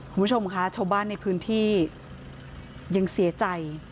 คุณผู้ชมคะชาวบ้านในพื้นที่ยังเสียใจ